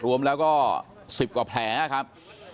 รวมแล้วก็๑๐กว่าแผลครับ